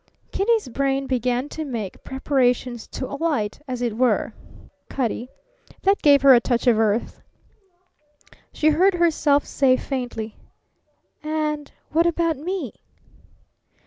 Kitty's brain began to make preparations to alight, as it were. Cutty. That gave her a touch of earth. She heard herself say faintly: "And what about me?"